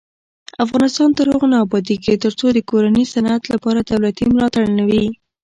افغانستان تر هغو نه ابادیږي، ترڅو د کورني صنعت لپاره دولتي ملاتړ نه وي.